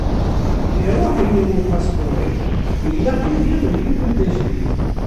Iruḥ-iyi upaspuṛ-iw. Ilaq-iyi yiwen d ajdid.